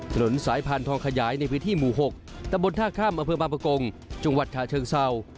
ถนนสายพานทองขยายในพิธีหมู่๖ตะบนท่าข้ามอเผือบาปกงจังหวัดฉะเชิงเซา